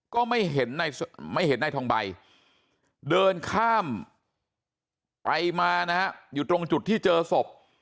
ก็ไม่เห็นไม่เห็นนายทองใบเดินข้ามไปมานะฮะอยู่ตรงจุดที่เจอศพ